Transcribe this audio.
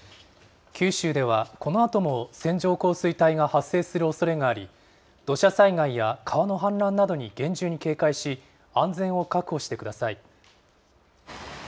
九州では、このあとも線状降水帯が発生するおそれがあり、土砂災害や川の氾濫などに厳重に警戒し、安全を確保してください。